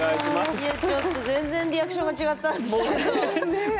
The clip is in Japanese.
いやちょっと全然リアクションが違ったんですけど華ちゃんと。